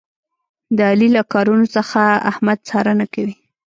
د علي له کارونو څخه احمد څارنه کوي.